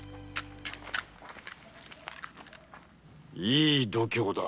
いい度胸だ。